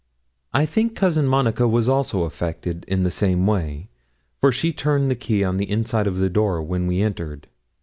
I think Cousin Monica was also affected in the same way, for she turned the key on the inside of the door when we entered.